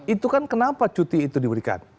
itu kan kenapa cuti itu diberikan